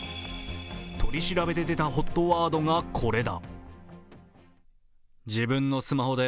取り調べで出たＨＯＴワードがこれだ。